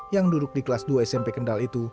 yang duduk di kelas dua smp kendal itu